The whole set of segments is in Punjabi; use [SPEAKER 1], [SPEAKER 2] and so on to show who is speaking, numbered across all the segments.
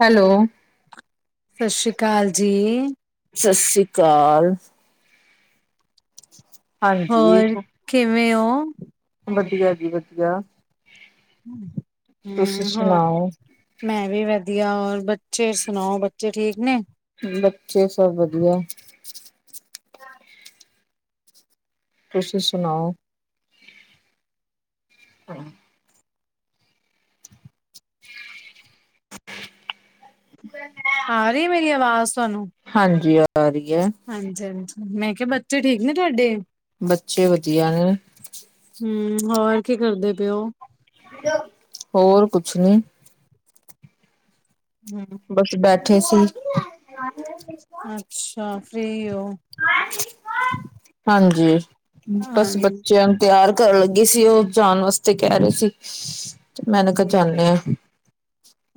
[SPEAKER 1] ਹੈਲੋ,
[SPEAKER 2] ਸਤਿ ਸ਼੍ਰੀ ਅਕਾਲ ਜੀ,
[SPEAKER 1] ਸਤਿ ਸ਼੍ਰੀ ਅਕਾਲ, [inaudible]
[SPEAKER 2] ਹੋਰ, ਕਿਵੇਂ ਔ?
[SPEAKER 1] ਵਧੀਆ ਜੀ ਵਧੀਆ, ਤੁਸੀ
[SPEAKER 2] ਹਮ ਹੋਰ
[SPEAKER 1] ਸੁਣਾਓ?
[SPEAKER 2] ਮੈਂ ਵੀ ਵਧੀਆ ਹੋਰ ਬੱਚੇ ਸੁਣਾਓ ਬੱਚੇ ਠੀਕ ਨੇ?
[SPEAKER 1] ਬੱਚੇ ਸਭ ਵਧੀਆ, ਤੁਸੀਂ ਸੁਣਾਓ? [inaudible] [inaudible]
[SPEAKER 2] ਆ ਰੀ ਮੇਰੀ ਆਵਾਜ਼ ਤੁਹਾਨੂੰ?
[SPEAKER 1] ਹਾਂਜੀ ਆ ਰੀ ਐ,
[SPEAKER 2] ਹਾਂਜੀ ਹਾਂਜੀ ਮੈਂ ਕਿਹਾ ਬੱਚੇ ਠੀਕ ਨੇ ਤੁਹਾਡੇ?
[SPEAKER 1] ਬੱਚੇ ਵਧੀਆ ਨੇ,
[SPEAKER 2] ਹੂੰ ਹੋਰ ਕੀ ਕਰਦੇ ਪਏ ਔ?
[SPEAKER 1] ਹੋਰ ਕੁਛ ਨੀ,
[SPEAKER 2] ਹੂੰ,
[SPEAKER 1] ਬਸ ਬੈਠੇ ਸੀ,
[SPEAKER 2] ਅੱਛਾ ਫ੍ਰੀ ਓ?
[SPEAKER 1] ਹਾਂਜੀ,
[SPEAKER 2] ਹਾਂ
[SPEAKER 1] ਬਸ ਬੱਚਿਆਂ ਨੂੰ ਤਿਆਰ ਕਰਨ ਲੱਗੀ ਸੀ, ਉਹ ਜਾਣ ਵਾਸਤੇ ਕਹਿ ਰਹੇ ਸੀ ਤੇ ਮੈਨ ਕਿਹਾ ਜਾਂਦੇ ਆ,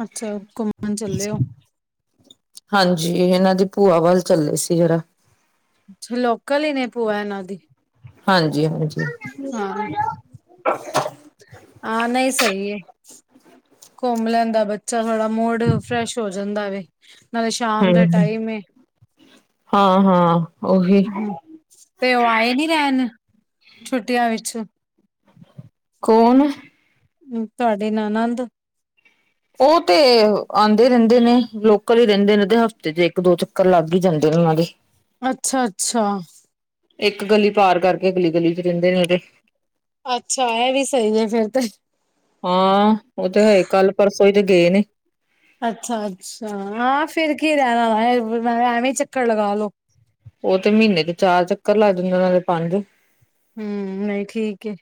[SPEAKER 2] ਅੱਛਾ ਘੁੰਮਣ ਚੱਲੇ ਔ?
[SPEAKER 1] ਹਾਂਜੀ ਇਹਨਾਂ ਦੀ ਭੂਆ ਵੱਲ ਚੱਲੇ ਸੀ ਜਰਾ,
[SPEAKER 2] ਅੱਛਾ ਲੋਕਲ ਈ ਨੇ ਪੂਆ ਇਹਨਾਂ ਦੀ?
[SPEAKER 1] ਹਾਂਜੀ-ਹਾਂਜੀ,
[SPEAKER 2] ਹਾਂ, ਹਾਂ ਨਹੀਂ ਸਈ ਐ। ਘੁੰਮ ਲੈਂਦਾ ਬੱਚਾ ਥੋੜਾ ਮੂਡ ਫਰੈਸ਼ ਹੋ ਜਾਂਦਾ ਵੇ, ਨਾਲੇ ਸ਼ਾਮ ਦਾ
[SPEAKER 1] ਹਮ
[SPEAKER 2] ਟਾਈਮ ਐ,
[SPEAKER 1] ਹਾਂ ਹਾਂ ਉਹੀ
[SPEAKER 2] ਹੂੰ ਤੇ ਉਹ ਆਏ ਨੀ ਰਹਿਣ, ਛੁੱਟੀਆਂ ਵਿੱਚ
[SPEAKER 1] ਕੋਣ?
[SPEAKER 2] ਤੁਹਾਡੇ ਨਾਲ ਆਨੰਦ
[SPEAKER 1] ਉਹ ਤੇ ਆਦੇ ਰਹਿੰਦੇ ਨੇ ਲੋਕਲ ਈ ਰਹਿੰਦੇ ਨੇ ਹਫ਼ਤੇ ਚ ਇੱਕ ਦੋ ਚ, ਲੱਗ ਈ ਜਾਂਦੇ ਨੇ ਉਹਨਾਂ ਦੇ
[SPEAKER 2] ਅੱਛਾ-ਅੱਛਾ,
[SPEAKER 1] ਇੱਕ ਗਲੀ ਪਾਰ ਕਰਕੇ ਅਗਲੀ ਗਲੀ ਚ ਰਹਿੰਦੇ ਨੇ ਜਿਹੜੇ,
[SPEAKER 2] ਅੱਛਾ ਇਹ ਵੀ ਸਈ ਐ ਫੇਰ ਤੇ,
[SPEAKER 1] ਹਾਂ ਉਹ ਤੇ ਹੈ ਕੱਲ ਪਰਸੋਂ ਈ ਤੇ ਗਏ ਨੀ,
[SPEAKER 2] ਅੱਛਾ-ਅੱਛਾ ਹਾਂ ਫਿਰ ਕੀ ਰਹਿਣਾ ਵਾ ਮੈਂ ਐਵੇਂ ਚੱਕਰ ਲਗਾ ਲੋ,
[SPEAKER 1] ਉਹ ਤੇ ਮਹੀਨੇ ਚ ਚਾਰ ਚੱਕਰ ਲੱਗ ਜਾਂਦੇ ਉਹਨਾਂ ਦੇ ਪੰਜ,
[SPEAKER 2] ਹੂੰ ਨਈ ਠੀਕ ਐ।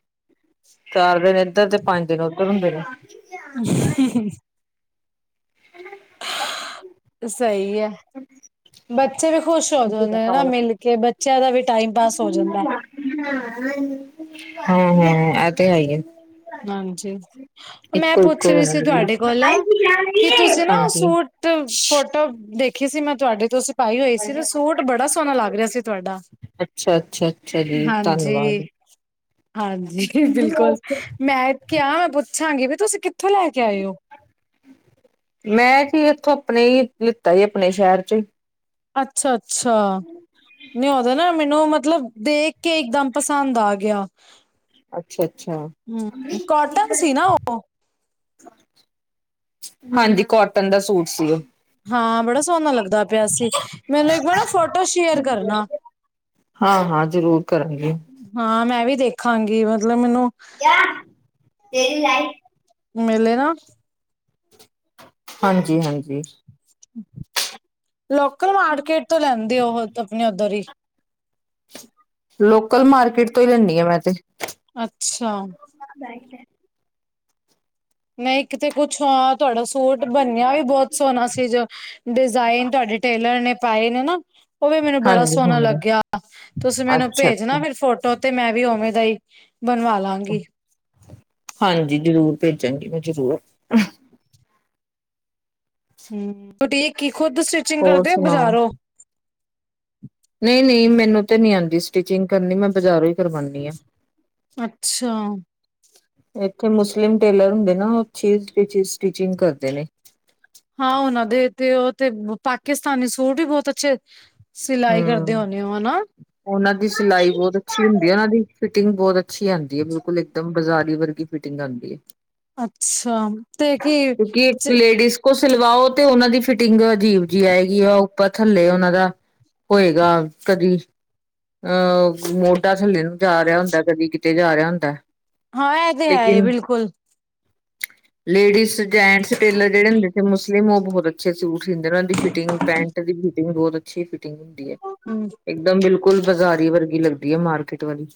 [SPEAKER 1] ਚਾਰ ਦਿਨ ਇੱਧਰ ਤੇ ਪੰਜ ਦਿਨ ਉੱਧਰ ਹੁੰਦੇ ਨੇ,
[SPEAKER 2] [inaudible]
[SPEAKER 1] [inaudible]
[SPEAKER 2] ਸਈ ਐ, ਬੱਚੇ ਵੀ ਖੁਸ਼ ਹੋ ਜਾਂ, ਦੇ ਨਾ ਮਿਲ ਕੇ ਬੱਚਿਆਂ ਦਾ ਵੀ ਟਾਈਮ ਪਾਸ ਹੋ ਜਾਂਦਾ।
[SPEAKER 1] ਹੂੰ-ਹੂੰ ਐ ਤੇ ਹੈ ਈ ਐ।
[SPEAKER 2] ਹਾਂਜੀ ਮੈਂ ਪੁੱਛ
[SPEAKER 1] ਇੱਕੋ
[SPEAKER 2] ਰੀ ਸੀ ਤੁਹਾਡੇ ਕੋਲੋ ਕੀ ਤੁਸੀਂ ਨਾ
[SPEAKER 1] ਹਾਂਜੀ
[SPEAKER 2] ਸੂਟ ਫੋਟੋ ਦੇਖੀ ਸੀ ਮੈਂ ਤੁਹਾਡੇ ਤੋਂ ਪਾਈ ਹੋਈ ਸੀ ਤੇ ਸੂਟ ਬੜਾ ਸੋਹਣਾ ਲੱਗ ਰਿਹਾ ਸੀ ਤੁਹਾਡਾ,
[SPEAKER 1] ਅੱਛਾ, ਅੱਛਾ, ਅੱਛਾ ਜੀ
[SPEAKER 2] ਹਾਂਜੀ
[SPEAKER 1] ਧੰਨਵਾਦ।
[SPEAKER 2] ਹਾਂਜੀ ਬਿਲਕੁਲ ਮੈਂ ਕਿਹਾ ਪੁੱਛਾਂਗੀ ਵੀ ਤੁਸੀਂ ਕਿੱਥੋਂ ਲੈ ਕੇ ਆਏ ਹੋ।
[SPEAKER 1] ਮੈਂ ਇੱਥੋਂ ਹੀ ਲਿੱਤਾ ਸੀ ਆਪਣੇ ਸ਼ਹਿਰ ਚੋ ਹੀ
[SPEAKER 2] ਅੱਛਾ, ਅੱਛਾ। ਨਹੀ ਉਹਦਾ ਨਾ ਮੈਨੂੰ ਮਤਲਬ ਦੇਖ ਕੇ ਇੱਕਦਮ ਪਸੰਦ ਆ ਗਿਆ।
[SPEAKER 1] ਅੱਛਾ ਅੱਛਾ
[SPEAKER 2] ਹਮ ਕੋਟਨ ਸੀ ਨਾ ਉਹ।
[SPEAKER 1] ਹਾਂਜੀ ਕੋਟਨ ਦਾ ਸੂਟ ਸੀਓ।
[SPEAKER 2] ਹਾਂ ਬੜਾ ਸੋਹਣਾ ਲੱਗਦਾ ਪਿਆ ਸੀ, ਮੈਨੂੰ ਇੱਕ ਵਾਰ ਨਾ ਫੋਟੋ ਸ਼ੇਅਰ ਕਰਨਾ।
[SPEAKER 1] ਹਾਂ-ਹਾਂ ਜ਼ਰੂਰ ਕਰਾਗੀ।
[SPEAKER 2] ਹਾਂ ਮੈਂ ਵੀ ਦੇਖਾਂਗੀ ਮਤਲਬ ਮੈਨੂੰ।
[SPEAKER 1] [unintelligible]
[SPEAKER 2] [unintelligible] ਨਾ।
[SPEAKER 1] ਹਾਂਜੀ- ਹਾਂਜੀ।
[SPEAKER 2] ਲੋਕਲ ਮਾਰਕੀਟ ਤੋਂ ਲੈਂਦੇ ਉਹ ਆਪਣੇ ਉੱਧਰ ਹੀ।
[SPEAKER 1] ਲੋਕਲ ਮਾਰਕੀਟ ਤੋਂ ਹੀ ਲੈਂਦੀ ਆਂ ਮੈਂ ਤੇ।
[SPEAKER 2] ਅੱਛਾ
[SPEAKER 1] [unintelligible]
[SPEAKER 2] ਮੈ ਇੱਕ ਤੇ ਕੁਛ ਹਾਂ ਤੁਹਾਡਾ ਸੂਟ ਬਨਿਆ ਵੀ ਬਹੁਤ ਸੋਹਣਾ ਸੀ ਜੋ ਡਿਜ਼ਾਇਨ ਤੁਹਾਡੀੇ ਟੇਲਰ ਨੇ ਪਾਏ ਨੇ ਨਾ ਉਹ ਵੀ ਮੈਨੂੰ ਬੜਾ
[SPEAKER 1] ਹਾਂਜੀ
[SPEAKER 2] ਸੋਹਣਾ
[SPEAKER 1] ਹਾਂਜੀ
[SPEAKER 2] ਲੱਗਿਆ ਤੁਸੀਂ ਮੈਨੂੰ
[SPEAKER 1] ਅੱਛਾ
[SPEAKER 2] ਭੇਜ
[SPEAKER 1] ਅੱਛਾ
[SPEAKER 2] ਨਾ ਫੇਿਰ ਫੋਟੋ ਤੇ ਮੈਂ ਵੀ ਉਵੇਂ ਦਾ ਹੀ ਬਣਵਾ ਲਾਂਗੀ
[SPEAKER 1] ਹਾਂਜੀ ਜ਼ਰੂਰ ਭੇਜਾਂਗੀ ਮੈਂ ਜ਼ਰੂਰ
[SPEAKER 2] ਹਮ ਬਟੀਕ ਕੀ ਖੁੱਦ ਸਟਿਚਿੰਗ
[SPEAKER 1] ਹੋਰ
[SPEAKER 2] ਕਰਦੇਓ ਕੀ
[SPEAKER 1] ਸੁਣਾਓ
[SPEAKER 2] ਬਜ਼ਾਰੋਂ
[SPEAKER 1] ਨਹੀਂ ਨਹੀਂ ਮੈਨੂੰ ਤੇ ਨਹੀਂ ਆਉਂਦੀ ਸਟਿਚਿੰਗ ਕਰਨੀ ਮੈਂ ਬਾਜ਼ਾਰੋਂ ਹੀ ਕਰਵਾਉਦੀ ਹਾਂ
[SPEAKER 2] ਅੱਛਾ
[SPEAKER 1] ਇੱਥੇ ਮੁਸਲਿਮ ਟੇਲਰ ਹੁੰਦੇ ਨਾ ਉਹ [unintelligible] ਸਟਿਚਿੰਗ ਕਰਦੇ ਨੇ
[SPEAKER 2] ਹਾਂ ਉਹਨਾਂ ਦੇ ਤੇ ਉਹ ਤੇ ਪਾਕਿਸਤਾਨੀ ਸੂਟ ਵੀ ਬਹੁਤ ਅੱਛੇ ਸਿਲਾਈ ਕਰਦੇ
[SPEAKER 1] ਹਮ
[SPEAKER 2] ਉਹੇ [unintelligible]
[SPEAKER 1] ਉਹਨਾਂ ਦੀ ਸਿਲਾਈ ਬਹੁਤ ਅੱਛੀ ਹੁੰਦੀ ਉਹਨਾਂ ਦੀ ਫਿਟਿੰਗ ਬਹੁਤ ਅੱਛੀ ਆਉਂਦੀ ਹੈ ਬਿਲਕੁਲ ਇੱਕਮ ਬਾਜ਼ਾਰੀ ਵਰਗੀ ਫਿਟਿੰਗ ਆਉਂਦੀ ਹੈ
[SPEAKER 2] ਅੱਛਾ ਤੇ ਕੀ
[SPEAKER 1] ਕਿਉਂਕਿ ਲੇਡੀਜ਼ ਸਿਲਵਾਓ ਤੇ ਉਹਨਾਂ ਦੀ ਫਿਟਿੰਗ ਅਜੀਬ ਜਿਹੀ ਆਏਗੀ ਆ ਉੱਪਰ ਥੱਲੇ ਉਹਨਾਂ ਦਾ ਹੋਏਗਾ ਕਦੀ ਅਹ ਮੋਢਾ ਥੱਲੇ ਨੂੰ ਜਾ ਰਿਹਾ ਹੁੰਦਾ ਕਦੀ ਕਿਤੇ ਜਾ ਰਿਹਾ ਹੁੰਦਾ
[SPEAKER 2] ਹਾਂ ਇਹ ਤੇ ਹੈਏ
[SPEAKER 1] ਲੇਕਿਨ
[SPEAKER 2] ਬਿਲਕੁਲ
[SPEAKER 1] ਲੇਡੀਜ਼ ਜੈਂਟਸ ਟੇਲਰ ਜਿਹੜੇ ਹੁੰਦੇੇ ਸੁਸਲਿਮ ਉਹ ਬਹੁਤ ਅੱਛੇ ਸੂਟ ਸੀਦੇ ਉਹਨਾਂ ਦੀ ਫਿਟਿੰਗ ਪੈਂਟ ਦੀ ਫਿਟਿੰਗ ਬਹੁਤ ਅੱਛੀ ਫਿਟਿੰਗ ਹੁੰਦੀ ਹੈ
[SPEAKER 2] ਹਮ
[SPEAKER 1] ਇਕਦਮ ਬਿਲਕੁਲ ਬਾਜ਼ਾਰੀ ਵਰਗੀ ਲੱਗਦੀ ਹੈ ਮਾਰਕੀਟ ਵਾਲੀ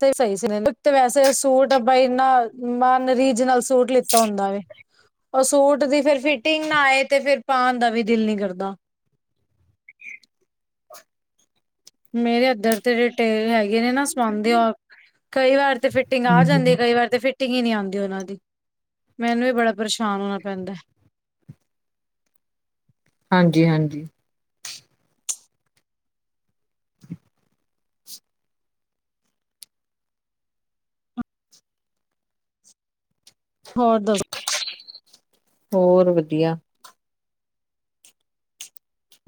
[SPEAKER 2] ਤੇ ਸਹੀ ਸੀ ਵੈਸੇ ਸੂਟ ਬਨਾ ਮਨ [unintelligible] ਰੀਜਨਲ ਸੂਟ ਲਿੱਤਾ ਹੁੰਦਾ ਵ ਉਹ ਸੂਟ ਦੀ ਫਿਰ ਫਿਟਿੰਗ ਨਾ ਆਏ ਤੇ ਫਿਰ ਪਾਉਣ ਦਾ ਵੀ ਦਿਲ ਨਹੀ ਕਰਦਾ ਮੇਰੇ ਇਧਰ ਤੇ ਟੇਲਰ ਹੈਗੇ ਨੇ ਨਾ ਸਵਾਉਦੇ ਕਈ ਵਾਰ ਤੇ ਫਿਟਿੰਗ ਆ ਜਾਂਦੀ ਹੈ ਕਈ ਵਾਰ ਤੇ [unintelligible] ਟਟਿੰਗ ਹੀ ਨੀ ਆਉਂਦੀ ਉਹਨਾਂ ਦੀ ਮੈਨੂੰ ਵੀ ਬੜਾ ਪਰੇਸ਼ਾਨ ਹੋਣਾ ਪੈਂਦਾ।
[SPEAKER 1] ਹਾਂਜੀ-ਹਾਂਜੀ
[SPEAKER 2] ਹੋਰ। ਦੱਸੋ
[SPEAKER 1] ਹੋਰ ਵਧੀਆ।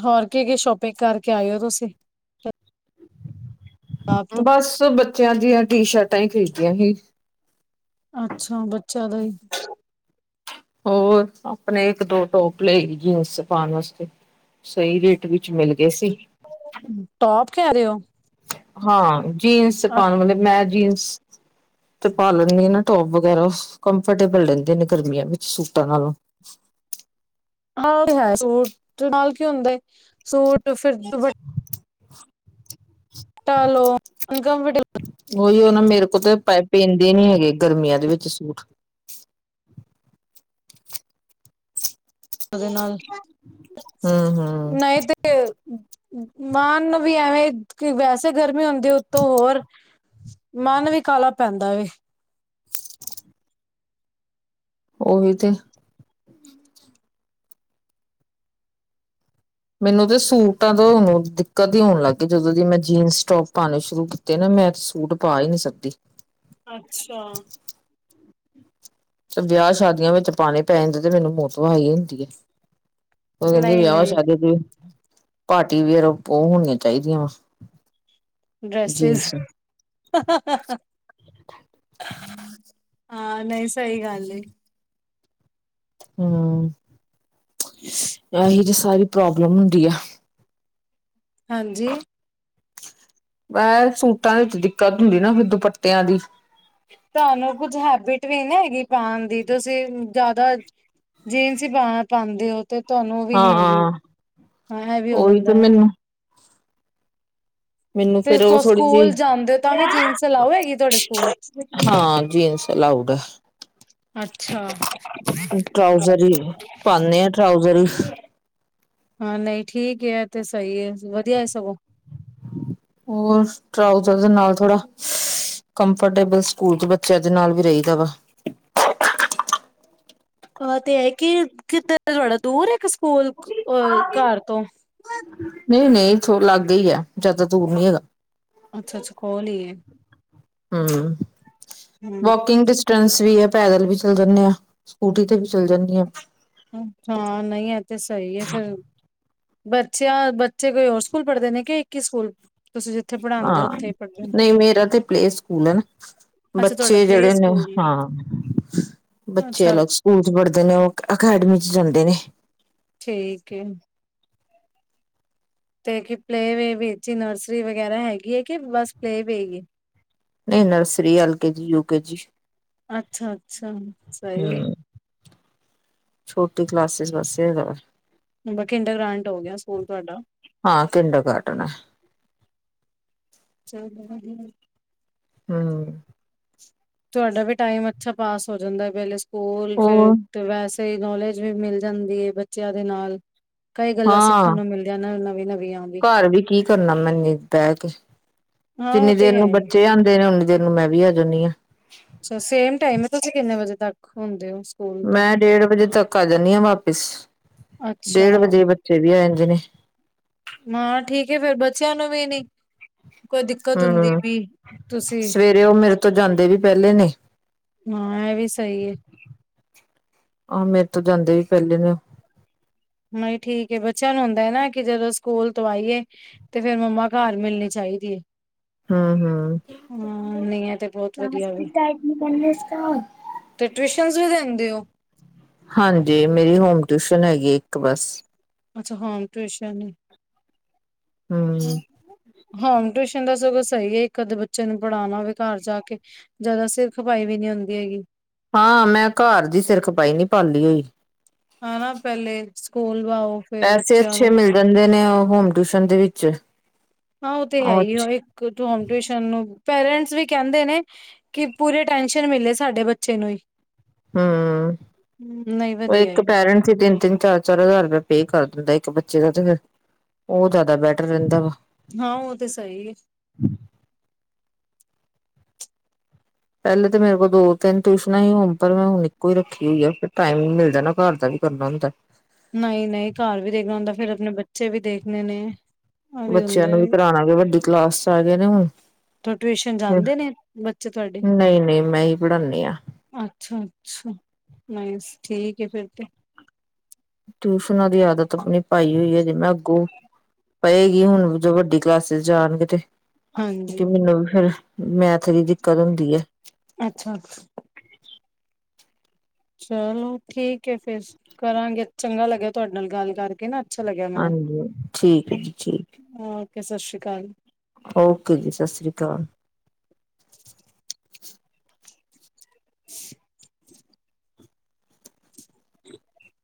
[SPEAKER 2] ਹੋਰ ਕੀ-ਕੀ ਸ਼ੋਪਿੰਗ ਕਰਕੇ ਆਏ ਹੋ ਤੁਸੀਂ। ਆਪ ਤੋਂ
[SPEAKER 1] ਬਸ ਬੱਚੇਆਂ ਦੀਆਂ ਟੀ-ਸ਼ਰਟਾਂ ਹੀ ਖਰੀਦੀਆਂ ਸੀ।
[SPEAKER 2] ਅੱਛਾ। ਬੱਚੇਆਂ ਦਾ ਹੀ।
[SPEAKER 1] ਹੋਰ ਆਪਣੇ ਇੱਕ, ਦੋ ਟੋਪ ਲਏ ਜੀਨਸ ਪਾਉਣ ਵਾਸਤੇ। ਸਈ ਰੇਟ ਵਿੱਚ ਮਿਲ ਗਏ ਸੀ
[SPEAKER 2] ਟੋਪ ਕਹਿ ਰਹੇ ਹੋ?
[SPEAKER 1] ਹਾਂ ਜੀਨਸ ਪਾਣ ਵਾਲੇ ਮੈਂ ਜੀਨਸ ਤੇ ਪਾ ਲੈਣੀ ਆ ਨਾ ਟੋਪ ਵਗੈਰਾ ਓ ਕੰਫਰਟੇਬਲ ਰਹਿੰਦੇ ਨੇ ਗਰਮੀਆਂ ਵਿੱਚ ਸੂਟਾਂ ਨਾਲੋਂ
[SPEAKER 2] ਆ ਰਿਹਾ ਸੂਟ ਸੂਟ ਨਾਲ ਕੀ ਹੁੰਦੇ ਸੂਟ ਫਿਰ ਦੁਪੱਟਾ ਲੋ ਅਨਕਮਫਰਟੇਬਲ
[SPEAKER 1] ਉਹੀਹੋ ਨਾ ਮੇਰੇ ਕੋਲ ਤੇ ਪੈਂਦੇ ਨੀ ਹੈਗੇ ਗਰਮੀਆਂ ਦੇ ਵਿੱਚ ਸੂਟ
[SPEAKER 2] ਉਦੇ ਨਾਲ
[SPEAKER 1] ਹਮ ਹਮ
[SPEAKER 2] ਨਈ ਤੇ ਤੇ ਪਾਨ ਨੂੰ ਵੀ ਐਵੇਂ ਕਿ ਵੈਸੇ ਗਰਮੀ ਹੁੰਦੀ ਉੱਤੋਂ ਹੋਰ ਮਨ ਵੀ ਕਾਲਾ ਪੈਂਦਾ ਵੇ
[SPEAKER 1] ਉਹੀ ਤੇ ਮੈਨੂੰ ਤੇ ਸੂਟਾਂ ਤੋਂ ਅਲਕਤੀ ਹੋਣ ਲੱਗ ਗਈ ਜਦੋਂ ਦੀ ਮੈਂ ਜੀਨਸ ਟੋਪ ਪਾਣੇ ਸ਼ੁਰੂ ਕੀਤੇ ਨਾ ਮੈਂ ਸੂਟ ਪਾ ਹੀ ਨੀ ਸਕਦੀ
[SPEAKER 2] ਅੱਛਾ।
[SPEAKER 1] ਤੇ ਵਿਆਹ ਸ਼ਾਦੀਆਂ ਵਿੱਚ ਪਾਨੇ ਪੈ ਜਾਂਦੇ ਤੇ ਮੈਨੂੰ ਮੌਤ ਵਈ ਹੁੰਦੀ ਆ ਮੈਂ ਕਹਿਣੀ
[SPEAKER 2] ਨਹੀਂ
[SPEAKER 1] ਵਿਆਹ
[SPEAKER 2] ਨਹੀਂ
[SPEAKER 1] ਸ਼ਾਦੀ‌ ਤੇ ਪਾਰਟੀ ਵੀਅਰ ਓ ਹੋਣੀਆਂ ਚਾਹੀਦੀਆਂ ਵਾ
[SPEAKER 2] ਡ੍ਰੈਸਿਸ
[SPEAKER 1] ਜੀਨਸ
[SPEAKER 2] ਹਾਂ ਨਈ ਸਹੀ ਗੱਲ ਏ।
[SPEAKER 1] ਹੂੰ ਆਹੀ ਤਾਂ ਸਾਰੀ ਪ੍ਰੋਬਲਮ ਹੁੰਦੀ ਆ
[SPEAKER 2] ਹਾਂਜੀ।
[SPEAKER 1] ਮੈਂ ਸੂਟਾਂ ਵਿੱਚ ਦਿੱਕਤ ਹੁੰਦੀ ਨਾ ਫਿਰ ਦੁਪੱਟਿਆਂ ਦੀ
[SPEAKER 2] ਤੁਹਾਨੂੰ ਕੁੱਝ ਹੈਬਿਟ ਵੀ ਨੀ ਨਾ ਹੈਗੀ ਪਾਨ ਦੀ ਤੁਸੀਂ ਜਾਦਾ ਜੀਨਸ ਹੀ ਪਾ ਪਾਂਦੇ ਹੋ ਤੇ ਤੁਹਾਨੂੰ ਓ ਵੀ ਨੀ ਹੈਗੀ
[SPEAKER 1] ਹਾਂ
[SPEAKER 2] ਹਾਂ ਇਹ ਵੀ ਹੋ
[SPEAKER 1] ਉਹੀ ਤੇ
[SPEAKER 2] ਜਾਂਦਾ ਨਾ
[SPEAKER 1] ਮੈਨੂੰ ਮੈਨੂੰ
[SPEAKER 2] ਤੇ
[SPEAKER 1] ਫੇਰ ਓ ਥੋੜੀ
[SPEAKER 2] ਸਕੂਲ ਜਾਂਦੇ ਹੋ ਤਾਂ
[SPEAKER 1] ਜਿਹੀ
[SPEAKER 2] ਵੀ ਜੀਨਸ ਅਲਾਓ ਹੈਗੀ ਤੁਹਾਡੇ ਸਕੂਲ?
[SPEAKER 1] ਹਾਂ ਜੀਨਸ ਅਲਾਊਡ
[SPEAKER 2] ਅੱਛਾ।
[SPEAKER 1] ਤੇ ਟਰਾਊਜ਼ਰ ਹੀ ਪਾਨੇ ਆ ਟਰਾਊਜ਼ਰ
[SPEAKER 2] ਹਾਂ ਨਈ ਠੀਕ ਏ ਐ ਸਹੀ ਏ ਵਧੀਆ ਏ ਸਗੋਂ
[SPEAKER 1] ਹੋਰ ਟਰਾਊਜ਼ਰ ਦੇ ਨਾਲ ਥੋੜਾ ਕੰਫਰਟੇਬਲ ਸਕੂਲ 'ਚ ਬੱਚਿਆਂ ਦੇ ਨਾਲ ਵੀ ਰਹੀਦਾ ਵਾ
[SPEAKER 2] ਅਹ ਤੇ ਐ ਕਿ ਕਿੱਧਰ ਥੋੜਾ ਦੂਰ ਆ ਇੱਕ ਸਕੂਲ ਅ ਘਰ ਤੋਂ
[SPEAKER 1] ਨਈ ਨਈ ਲਾਗੇ ਹੀ ਆ ਜਿਆਦਾ ਦੂਰ ਨੀ ਹੈਗਾ
[SPEAKER 2] ਅੱਛਾ ਅੱਛਾ ਕੋਲ ਹੀ ਏ
[SPEAKER 1] ਹਾਂ ਵਾਕਿੰਗ ਡਿਸਟੈਂਸ ਵੀ ਆ ਪੈਦਲ ਵੀ ਚੱਲ ਜਾਂਦੇ ਆਂ ਸਕੂਟੀ ਤੇ ਵੀ ਚੱਲ ਜਾਣੀ ਆ।
[SPEAKER 2] ਅੱਛਾ ਨਈ ਏ ਤੇ ਸਹੀ ਆ ਫਿਰ ਬੱਚੇਆਂ ਬੱਚੇ ਕੋਈ ਹੋਰ ਸਕੂਲ ਪੜ੍ਹਦੇ ਨੇ ਕੇ ਇੱਕ ਹੀ ਸਕੂਲ ਤੁਸੀਂ ਜਿੱਥੇ ਪੜ੍ਹਾਉਂਦੇ ਹੋ
[SPEAKER 1] ਹਾਂ
[SPEAKER 2] ਉੱਥੇ ਹੀ ਪੜ੍ਹਦੇ ਨੇ?
[SPEAKER 1] ਨਈ ਮੇਰਾ ਤੇ ਪਲੇਅ ਸਕੂਲ ਆ ਨਾ
[SPEAKER 2] ਅੱਛਾ ਤੁਹਾਡਾ
[SPEAKER 1] ਬੱਚੇ
[SPEAKER 2] ਪਲੇ
[SPEAKER 1] ਜੇੜੇ ਨੇ
[SPEAKER 2] ਸਕੂਲ ਹੈ।
[SPEAKER 1] ਹਾਂ ਬੱਚੇ
[SPEAKER 2] ਅੱਛਾ
[SPEAKER 1] ਅਲੱਗ ਸਕੂਲ 'ਚ ਪੜ੍ਹਦੇ ਨੇ ਓ ਅਕੈਡਮੀ 'ਚ ਜਾਂਦੇ ਨੇ।
[SPEAKER 2] ਠੀਕ ਏ। ਤੇ ਕੀ ਪਲੇ ਵੇ ਹੀ ਨਰਸਰੀ ਵਗੈਰਾ ਹੈਗੀ ਹੈ ਕਿ ਬਸ ਪਲੇਵੇ ਹੀ ਏ।
[SPEAKER 1] ਨਹੀਂ nursery L K G UK G.
[SPEAKER 2] ਅੱਛਾ, ਅੱਛਾ ਸਹੀ।
[SPEAKER 1] ਹਮ ਛੋਟੀ ਕਲਾਸਿਸ ਵਾਸੇ
[SPEAKER 2] ਬਾਕੀ ਇੰਡਾਗ੍ਰਾਂਟ ਹੋ ਗਿਆ ਸਕੂਲ ਤੁਹਾਡਾ।
[SPEAKER 1] ਹਾ ਕਿੰਡਰ ਗਾਰਡਨ।
[SPEAKER 2] ਚਲ।
[SPEAKER 1] ਹਾ।
[SPEAKER 2] ਤੁਹਾਡਾ ਵੀ ਟਾਈਮ ਅੱਛਾ ਪਾਸ ਹੋ ਜਾਂਦਾ ਪਹਿਲੇ ਸਕੂਲ ਫਿਰ
[SPEAKER 1] ਹੋਰ
[SPEAKER 2] ਤੇ ਵੈਸੇ ਹੀ ਨੌਲੇਜ ਵੀ ਮਿਲ ਜਾਂਦੀ ਹੈ ਬੱਚਿਆਂ ਦੇ ਨਾਲ ਕਈ ਗੱਲਾਂ ਸਿੱਖਣ
[SPEAKER 1] ਹਾਂ
[SPEAKER 2] ਨੂੰ ਮਿਲ ਨਵੀਆਂ, ਨਵੀਆਂ।
[SPEAKER 1] ਘਰ ਵੀ ਕੀ ਕਰਨਾ ਮੈਨੇ ਬਹਿ ਕੇ।
[SPEAKER 2] ਹਾਂ ਉਹ
[SPEAKER 1] ਜਿੰਨੀ
[SPEAKER 2] ਤੇ
[SPEAKER 1] ਦੇਰ
[SPEAKER 2] ਹੈ
[SPEAKER 1] ਨੂੰ
[SPEAKER 2] ਹੀ
[SPEAKER 1] ਬੱਚੇ ਆਉਂਦੇ ਨੇ ਉਓਨੀ ਦੇਰ ਨੂੰ ਮੈਂ ਵੀ ਆ ਜਾਂਦੀ ਹਾਂ।
[SPEAKER 2] ਅੱਛਾ ਸੇਮ ਟਾਈਮ ਹੈ, ਤੁਸੀਂ ਕਿੰਨੇ ਵਜੇ ਤੱਕ ਹੁੰਦੇ ਹੋ। ਸਕੂਲ ਤੋਂ
[SPEAKER 1] ਮੈਂ ਡੇਢ ਵਜੇ ਤੱਕ ਆ ਜਾਂਦੀ ਹਾਂ ਵਾਪਿਸ,
[SPEAKER 2] ਅੱਛਾ
[SPEAKER 1] ਡੇਢ ਵਜੇ ਬੱਚੇ ਵੀ ਆ ਜਾਂਦੇ ਨੇ।
[SPEAKER 2] ਹਾਂ ਠੀਕ ਫੇਰ ਬੱਚਿਆਂ ਨੂੰ ਵੀ ਨੀ ਕੋਈ ਦਿੱਕਤ ਹੁੰਦੀ
[SPEAKER 1] ਹੂ
[SPEAKER 2] ਵੀ ਤੁਸੀਂ
[SPEAKER 1] ਸਵੇਰੇ ਉਹ ਮੇਰੇ ਤੋਂ ਜਾਂਦੇ ਵੀ ਪਹਿਲੇ ਨੇ।
[SPEAKER 2] ਹਾਂ ਇਹ ਵੀ ਸਹੀ ਏ।
[SPEAKER 1] ਆਹੋ ਮੇਰੇ ਤੋਂ ਜਾਂਦੇ ਵੀ ਪਹਿਲੇ ਨੇ।
[SPEAKER 2] ਨੀ ਠੀਕ ਏ ਬੱਚਿਆਂ ਨੂੰ ਹੁੰਦਾ ਹੈ ਨਾ ਕਿ ਜਦੋਂ ਸਕੂਲ ਤੋਂ ਆਈਏ ਤੇ ਫੇਰ ਮੰਮਾ ਘਰ ਮਿਲਣੀ ਚਾਹੀਦੀ ਏ।
[SPEAKER 1] ਹਾਂ ਹਾਂ
[SPEAKER 2] ਨਹੀਂ ਇਹ ਤੇ ਬਹੁਤ ਵਧੀਆ
[SPEAKER 1] ਪਲਾਸਟ
[SPEAKER 2] ਵੇ
[SPEAKER 1] ਟਾਈਟ ਬਣਦੇ।
[SPEAKER 2] ਤੇ ਟਿਊਸ਼ਨ ਵੀ ਦਿੰਦੇ ਹੋ।
[SPEAKER 1] ਹਾਂਜੀ ਮੇਰੀ ਹੋਮ ਟਿਊਸ਼ਨ ਹੈਗੀ ਇੱਕ ਬਸ।
[SPEAKER 2] ਅੱਛਾ ਹੋਮ ਟਿਊਸ਼ਨ।
[SPEAKER 1] ਹੂੰ
[SPEAKER 2] ਹੋਮ ਟਿਊਸ਼ਨ ਦਾ ਸਗੋਂ ਸਹੀ ਹੈ ਇੱਕ ਅੱਧ ਬੱਚੇ ਨੂੰ ਪੜ੍ਹਾਉਣਾ ਹੋਵੇ ਘਰ ਜਾ ਕੇ। ਜ਼ਿਆਦਾ ਸਿਰ ਖਪਾਈ ਵੀ ਨਹੀਂ ਹੁੰਦੀ ਹੈਗੀ।
[SPEAKER 1] ਹਾਂ ਮੈਂ ਘਰ ਦੀ ਸਿਰ ਖਪਾਈ ਨੀ ਪਾਲੀ ਹੋਈ।
[SPEAKER 2] ਹਨਾ ਪਹਿਲੇ ਸਕੂਲ ਵਾਓ।
[SPEAKER 1] ਪੈਸੇ ਅੱਛੇ ਮਿਲ ਜਾਂਦੇ ਨੇ ਉਹ ਹੋਮ ਟਿਊਸ਼ਨ ਦੇ ਵਿੱਚ।
[SPEAKER 2] ਹਾਂ ਉਹ ਤੇ ਹੈ ਹੀ ਇੱਕ ਹੋਮ ਟਿਊਸ਼ਨ ਨੂੰ ਪੇਰੈਂਟਸ ਵੀ ਕਹਿੰਦੇ ਨੇ ਕਿ ਪੂਰੇ ਟੈਸ਼ਨ ਮਿਲੇ ਸਾਡੇ ਬੱਚੇ ਨੂੰ ਹੀ।
[SPEAKER 1] ਹੂ
[SPEAKER 2] ਨਹੀਂ
[SPEAKER 1] ਉਹ
[SPEAKER 2] ਵਧੀਆ
[SPEAKER 1] ਇੱਕ
[SPEAKER 2] ਏ।
[SPEAKER 1] ਪੈਰੈਂਟ ਸੀ ਤਿੰਨ, ਤਿੰਨ ਚਾਰ ਚਾਰ ਹਜ਼ਾਰ ਰੁਪਇਆ ਪੇ ਕਰ ਦਿੰਦਾ ਇੱਕ ਬੱਚੇ ਦਾ ਤੇ ਫਿਰ ਉਹ ਜ਼ਿਆਦਾ ਬੈਟਰ ਰਹਿੰਦਾ ਵਾ।
[SPEAKER 2] ਹਾਂ ਉਹ ਤੇ ਸਹੀ ਏ।
[SPEAKER 1] ਹੁ। ਪਹਿਲੇ ਤਾਂ ਮੇਰੇ ਕੋਲ ਦੋ ਤਿੰਨ ਟਿਊਸ਼ਨਾਂ ਹੀ ਹੋਣ ਪਰ ਮੈਂ ਹੁਣ ਇੱਕੋ ਹੀ ਰੱਖੀ ਹੋਈ ਆ ਫੇਰ ਟਾਈਮ ਮਿਲਦਾ ਨਾ ਘਰ ਦਾ ਵੀ। ਕਰਨਾ ਹੁੰਦਾ।
[SPEAKER 2] ਨਹੀਂ, ਨਹੀਂ ਘਰ ਵੀ ਦੇਖਣਾ ਹੁੰਦਾ ਫੇਰ ਆਪਣੇ ਬੱਚੇ ਵੀ ਦੇਖਣੇ ਨੇ। ਆ
[SPEAKER 1] ਬੱਚਿਆਂ
[SPEAKER 2] ਹੁੰਦਾ
[SPEAKER 1] ਨੂੰ ਵੀ
[SPEAKER 2] ਏ
[SPEAKER 1] ਪੜ੍ਹਓਨਾ ਵੱਡੀ ਕਲਾਸ ਚ ਆ ਗਏ ਨੇ ਹੁਣ।
[SPEAKER 2] ਟਿਊਸ਼ਨ ਜਾਂਦੇ ਨੇ ਬੱਚੇ ਤੁਹਾਡੇ
[SPEAKER 1] ਨਹੀਂ, ਨਹੀਂ ਮੈਂ ਹੀ ਪੜ੍ਹਾਦੀ ਹਾਂ।
[SPEAKER 2] ਅੱਛਾ, ਅੱਛਾ ਬਸ ਠੀਕ ਹੈ ਫਿਰ ਤੇ।
[SPEAKER 1] ਟਿਊਸ਼ਨਾਂ ਦੀ ਆਦਤ ਆਪਣੀ ਪਾਈ ਹੋਈ ਹੈ, ਜਿਵੇਂ ਅੱਗੋਂ ਪਏਗੀ ਹੁਣ ਜੋ ਵੱਡੀ ਕਲਾਸਿਸ ਜਾਣਗੇ ਤੇ
[SPEAKER 2] ਹਾਂਜੀ
[SPEAKER 1] ਮੈਨੂੰ ਵੀ ਫੇਰ ਮੈਥ ਦੀ ਦਿੱਕਤ ਹੁੰਦੀ ਐ।
[SPEAKER 2] ਅੱਛਾ, ਅੱਛ ਚਲੋ ਠੀਕ ਐ ਫੇਰ, ਕਰਾਂਗੇ ਚੰਗਾ ਲੱਗਿਆ ਤੁਐਡੇ ਨਾਲ ਗੱਲ ਕਰਕੇ ਨਾ। ਅੱਛਾ ਲੱਗਿਆ ਮੈਨੂੰ,
[SPEAKER 1] ਹਾਂਜੀ ਠੀਕ ਹੈ ਜੀ ਠੀਕ
[SPEAKER 2] ਓਕੇ ਸਤ ਸ੍ਰੀ ਕਾਲ।
[SPEAKER 1] ਓਕੇ ਜੀ ਸਤ ਸ੍ਰੀ ਕਾਲ।
[SPEAKER 2] [inaudible]
[SPEAKER 1] [inaudible]